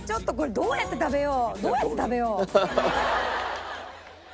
どうやって食べよう。